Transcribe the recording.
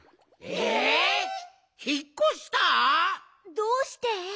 どうして？